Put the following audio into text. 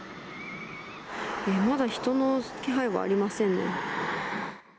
まだ人の気配はありませんね。